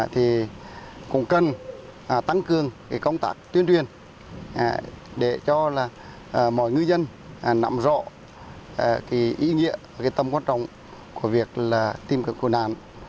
thì cũng cần tăng cường công tác tuyên truyền để cho mọi ngư dân nắm rõ ý nghĩa tâm quan trọng của việc tìm kiếm cụm nạn